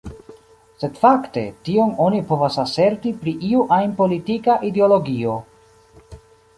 Sed fakte, tion oni povas aserti pri iu ajn politika ideologio.